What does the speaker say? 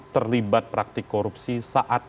terlibat praktik korupsi saat